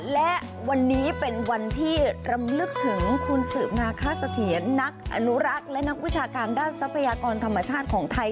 และวันนี้เป็นวันที่รำลึกถึงคุณสืบนาคาเสถียรนักอนุรักษ์และนักวิชาการด้านทรัพยากรธรรมชาติของไทย